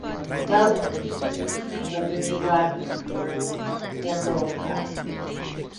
Most species have a very wide distribution across several continents.